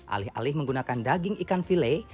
alih alih menggunakan daging ikan file